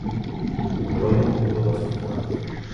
O cromo voltou do hospital.